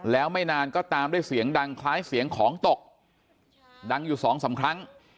แล้วไม่นานก็ตามด้วยเสียงดังคล้ายเสียงของตกดังอยู่สองสามครั้ง